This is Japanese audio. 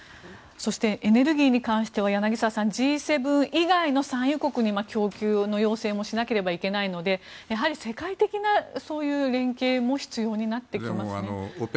そして、エネルギーに関しては柳澤さんＧ７以外の産油国に供給の要請もしなければいけないのでやはり世界的な連携も必要になってきますね。